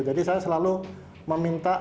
jadi saya selalu meminta